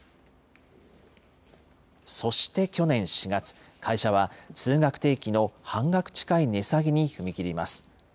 そして去年４月、会社は通学定期の半額近い値下げに踏み切ります。